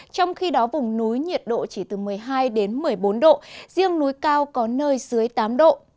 trong khi đó vùng núi nhiệt độ chỉ từ một mươi hai đến một mươi bốn độ riêng núi cao có nơi dưới tám độ